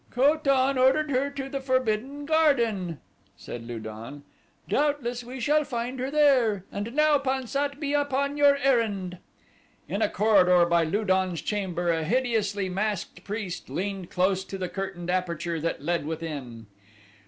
"Ko tan ordered her to the Forbidden Garden," said Lu don, "doubtless we shall find her there. And now, Pan sat, be upon your errand." In a corridor by Lu don's chamber a hideously masked priest leaned close to the curtained aperture that led within.